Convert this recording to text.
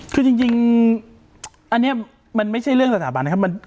คือจริงอันนี้มันไม่ใช่เรื่องสถาบันนะครับ